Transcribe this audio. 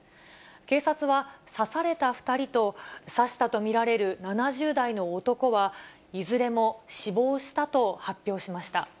警察は、刺された２人と刺したと見られる７０代の男は、いずれも死亡したと発表しました。